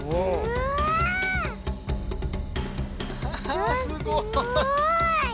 わあすごい。